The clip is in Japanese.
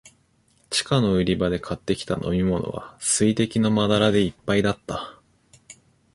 地下の売り場で買ってきた飲みものは、水滴のまだらでいっぱいだった。